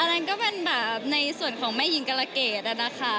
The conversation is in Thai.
อันนั้นก็เป็นแบบในส่วนของแม่หญิงกรเกดนะคะ